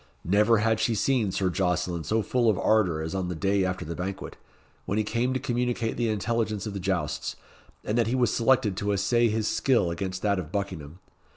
Never had she seen Sir Jocelyn so full of ardour as on the day after the banquet, when he came to communicate the intelligence of the jousts, and that he was selected to essay his skill against that of Buckingham.